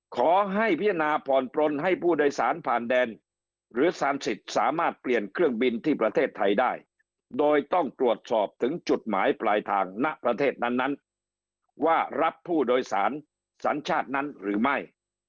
ขอให้พิจารณาผ่อนปลนให้ผู้โดยสารผ่านแดนหรือสารสิทธิ์สามารถเปลี่ยนเครื่องบินที่ประเทศไทยได้โดยต้องตรวจสอบถึงจุดหมายปลายทางณประเทศนั้นว่ารับผู้โดยสารสัญชาตินั้นหรือไม่